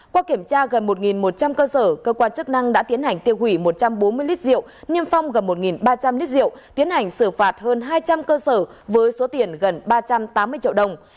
qua kiểm tra gần một một trăm linh cơ sở cơ quan chức năng đã tiến hành tiêu hủy một trăm bốn mươi lít rượu niêm phong gần một ba trăm linh lít rượu tiến hành xử phạt hơn hai trăm linh cơ sở với số tiền gần ba trăm tám mươi triệu đồng